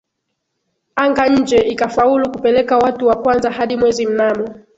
anga nje ikafaulu kupeleka watu wa kwanza hadi Mwezi mnamo